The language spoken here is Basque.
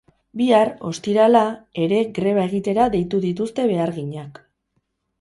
Bihar, ostirala, ere greba egitera deitu dituzte beharginak.